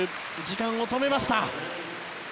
時間を止めました。